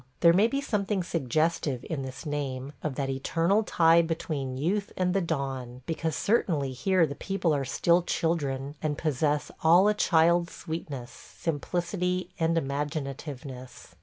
There may be something suggestive, in this name, of that eternal tie between youth and the dawn, because certainly here the people are still children, and possess all a child's sweetness, simplicity, and imaginativeness.